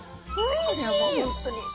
これはもう本当に。